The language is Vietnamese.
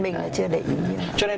dân mình là chưa để ý